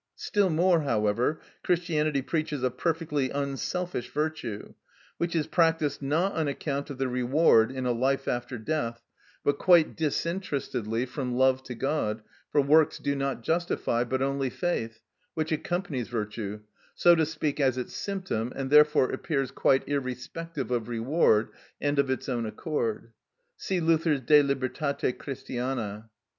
Still more, however, Christianity preaches a perfectly unselfish virtue, which is practised not on account of the reward in a life after death, but quite disinterestedly from love to God, for works do not justify, but only faith, which accompanies virtue, so to speak, as its symptom, and therefore appears quite irrespective of reward and of its own accord. See Luther's "De Libertate Christiana."